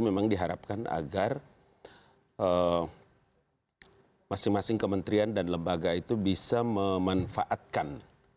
memang diharapkan agar masing masing kementerian dan lembaga itu bisa memanfaatkan